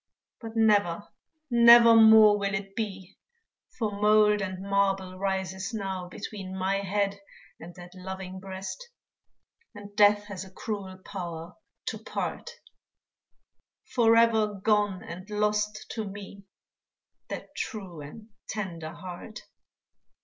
But never, nevermore will it be, For mould and marble rises now Between my head and that loving breast; And death has a cruel power to part Forever gone and lost to me That true and tender heart.